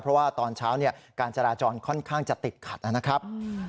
เพราะว่าตอนเช้าการจราจรค่อนข้างจะติดขัดนะครับ